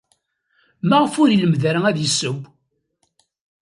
Maɣef ur ilemmed ara ad yesseww?